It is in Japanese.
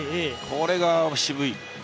これが渋い。